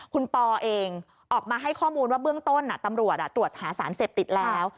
คุณปอเองออกมาให้ข้อมูลว่าเบื้องต้นตำรวจตรวจหาสารเสพติดแล้ว